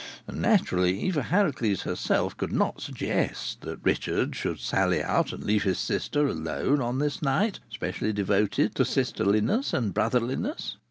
And naturally Eva Harracles herself could not suggest that Richard should sally out and leave his sister alone on this night specially devoted to sisterliness and brotherliness.